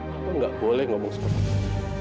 papa gak boleh ngomong seperti itu